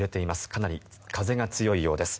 かなり風が強いようです。